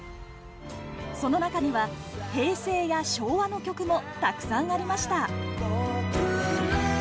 その中には、平成や昭和の曲もたくさんありました。